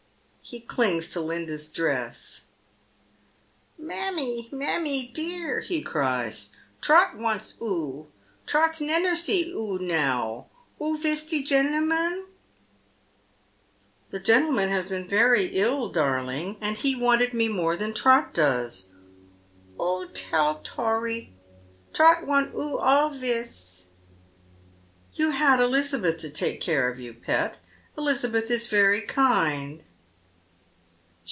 He clingg to Linda's dress. " Mammie, maramie dear," he cries, *' Trot wants oo, Trot nenner sees oo now. Oo viz de genlamuin ?"" The gentleman has been very ill, darling, and he wanted me more than Trot does." "Oo tell tory. Trot want oo allvis." " You had Elizabeth to take care of you, pet Elizabeth is very kind."